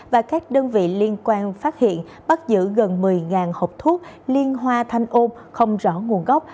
và các đơn vị liên quan phát hiện bắt giữ gần một mươi hộp thuốc liên hoa thanh ôm không rõ nguồn gốc